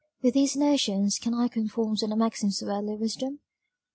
"With these notions can I conform to the maxims of worldly wisdom?